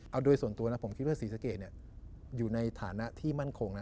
เอาโดยส่วนตัวนะผมคิดว่าศรีสะเกดอยู่ในฐานะที่มั่นคงนะ